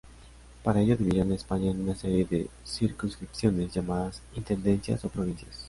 Para ello dividieron España en una serie de circunscripciones llamadas intendencias o provincias.